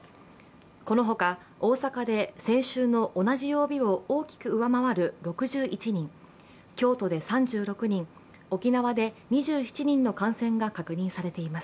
このほか大阪で先週の同じ曜日を大きく上回る６１人、京都で３６人、沖縄で２７人の感染が確認されています。